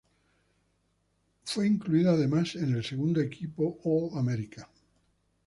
En fue incluido además en el segundo equipo All-American.